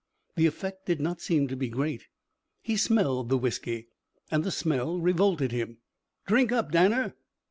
The effect did not seem to be great. He smelled the whisky, and the smell revolted him. "Drink up, Danner!"